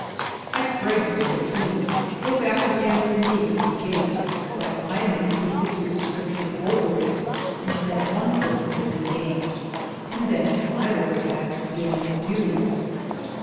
I praye you, sayde he, go backe againe with me to the gate, that I maye but se the super scription over it, and sett one foute within the gate, and then I will go backe againe with you.